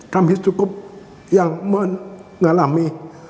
kami cukup yang mengalami